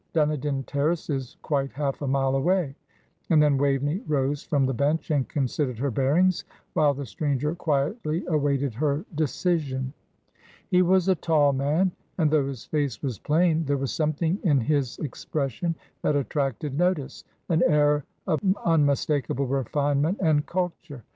Dunedin Terrace is quite half a mile away;" and then Waveney rose from the bench and considered her bearings, while the stranger quietly awaited her decision. He was a tall man, and though his face was plain, there was something in his expression that attracted notice, an air of unmistakable refinement and culture.